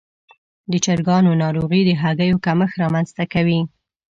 د چرګانو ناروغي د هګیو کمښت رامنځته کوي.